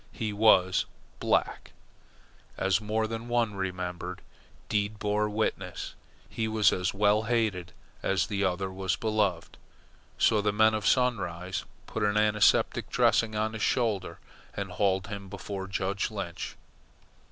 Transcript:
He was "black," as more than one remembered deed bore witness, while he was as well hated as the other was beloved. So the men of Sunrise put an antiseptic dressing on his shoulder and haled him before Judge Lynch.